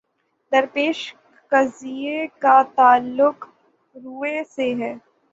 درپیش قضیے کا تعلق رویے سے ہے۔